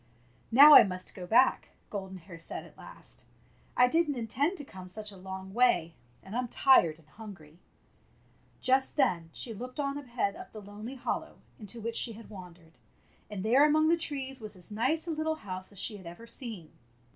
''Now I must go back," Golden Hair said at last. " I did n't intend to come such a long way, and I'm tired and hungry." Just then she looked on ahead up the lonely hollow into which she had wandered, and there among the trees was as nice a little house as she had ever seen.